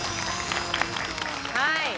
はい。